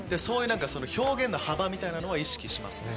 表現の幅みたいなのは意識します。